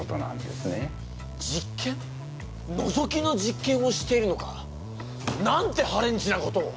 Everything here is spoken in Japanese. のぞきの実験をしているのか？なんてはれんちなことを！